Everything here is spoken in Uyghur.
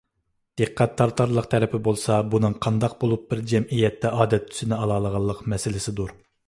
دىققەت تارتارلىق تەرىپى بولسا، بۇنىڭ قانداق بولۇپ بىر جەمئىيەتتە ئادەت تۈسىنى ئالالىغانلىق مەسىلىسىدۇر.